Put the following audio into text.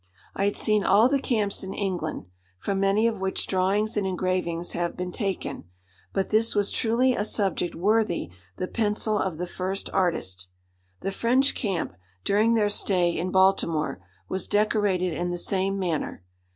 I had seen all the camps in England, from many of which drawings and engravings have been taken; but this was truly a subject worthy the pencil of the first artist. The French camp, during their stay in Baltimore, was decorated in the same manner.